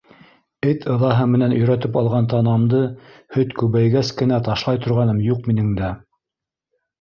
Эт ыҙаһы менән өйрәтеп алған танамды һөт күбәйгәс кенә ташлай торғаным юҡ минең дә!